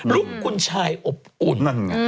ลูกคุณชายอบอุ่น